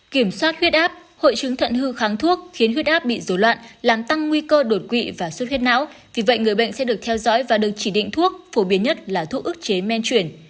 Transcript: kiểm soát huyết áp hội chứng thận hư kháng thuốc khiến huyết áp bị dối loạn làm tăng nguy cơ đột quỵ và suốt huyết não vì vậy người bệnh sẽ được theo dõi và được chỉ định thuốc phổ biến nhất là thuốc ức chế men chuyển